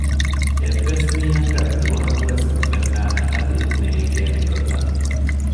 އެއްވެސް މީހަކަށް ދުވަހަކުވެސް ނުފެންނާނެ އަދި ނޭނގޭނެ ގޮތަށް